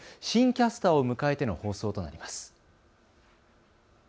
新キャスターを迎えての放送となります。